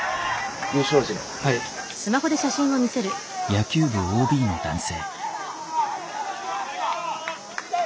野球部ＯＢの男性。